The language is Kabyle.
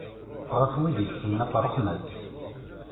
Ɣef wid itteklen ɣef ṛṛeḥma-s.